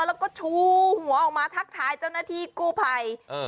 แล้วก็ชูหัวออกมาทักทายเจ้าหน้าที่กู้ภัย